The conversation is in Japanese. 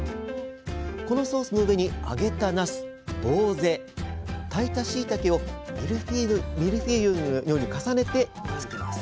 このソースの上に揚げたなすぼうぜ炊いたしいたけをミルフィーユのように重ねていきます。